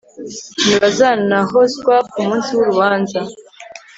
ntibazanahozwa ku munsi w'urubanza